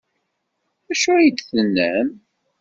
D acu ay d-tennam?